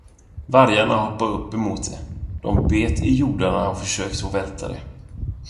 Vargarna hoppade upp emot det, de bet i gjordarna och försökte att välta det.